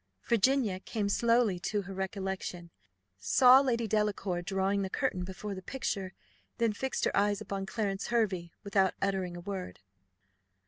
Virginia came slowly to her recollection, saw Lady Delacour drawing the curtain before the picture, then fixed her eyes upon Clarence Hervey, without uttering a word.